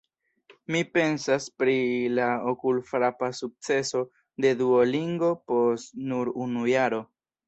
Mi pensas pri la okulfrapa sukceso de Duolingo post nur unu jaro.